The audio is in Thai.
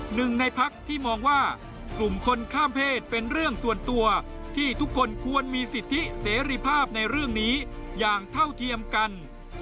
หนึ่งในพักที่มองว่ากลุ่มคนข้ามเพศเป็นเรื่องส่วนตัวที่ทุกคนควรมีสิทธิเสรีภาพในเรื่องนี้อย่างเท่าเทียมกัน